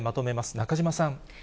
中島さん。